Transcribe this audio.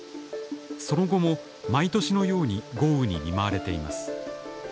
その後も毎年のように豪雨に見舞われています。